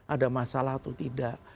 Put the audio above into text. ada masalah atau tidak